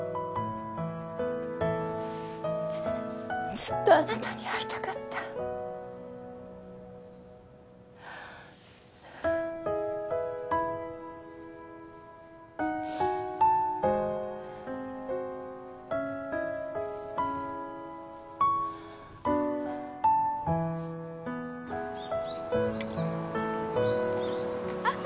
ずっとあなたに会いたかったあっ